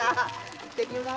行ってきます。